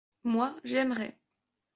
Moi, j’aimerai.